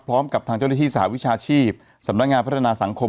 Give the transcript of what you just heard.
พร้อมกับทางเจ้าหน้าที่สหวิชาชีพสำนักงานพัฒนาสังคม